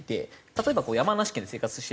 例えば山梨県で生活しています。